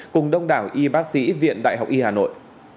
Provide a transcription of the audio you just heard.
cùng đông đảo y bác sĩ viện đại học y hà nội